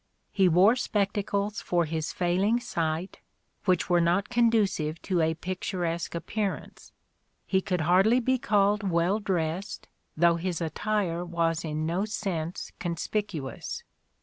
He wore spectacles for his failing sight, which were not conducive to a picturesque appearance : he could hardly be called well dressed, though his attire was in no sense conspicuous.